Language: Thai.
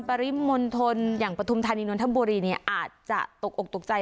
ปริมณฑลอย่างปฐุมธานีนนทบุรีเนี่ยอาจจะตกอกตกใจ